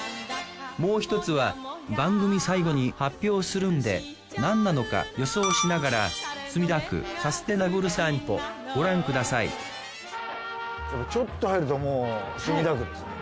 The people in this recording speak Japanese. もう１つは番組最後に発表するんで何なのか予想しながら墨田区サステナブル散歩ご覧くださいちょっと入るともう墨田区ですね。